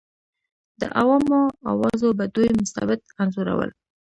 د عوامو اوازو به دوی مستبد انځورول.